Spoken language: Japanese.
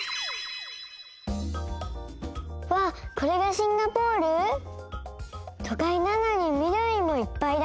これがシンガポール？とかいなのにみどりもいっぱいだね。